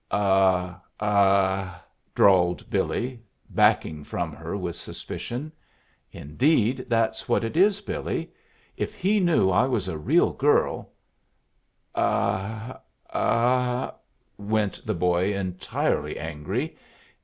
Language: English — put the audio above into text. "A ah," drawled Billy, backing from her with suspicion. "Indeed that's what it is, Billy. If he knew I was a real girl " "A ah," went the boy, entirely angry.